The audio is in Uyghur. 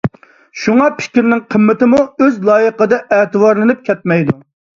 شۇڭا، پىكىرنىڭ قىممىتىمۇ ئۆز لايىقىدا ئەتىۋارلىنىپ كەتمەيدۇ.